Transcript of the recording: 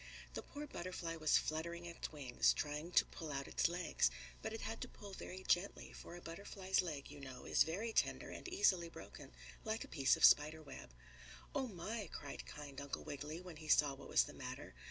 The poor butterfly was fluttering its wings, trying to pull out its legs, but it had to pull very gently, for a butterfly's leg, you know, is very tender and easily broken, like a piece of spider web. "Oh, my!" cried kind Uncle Wiggily, when he saw what was the matter.